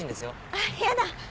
あっやだ。